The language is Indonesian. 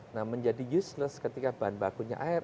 nah menjadi useless ketika bahan bakunya air